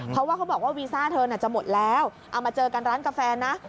เพราะว่าเขาบอกว่าวีซ่าเธอจะหมดแล้วเอามาเจอกันร้านกาแฟนะ